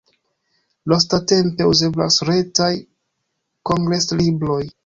Lastatempe uzeblas retaj kongreslibroj.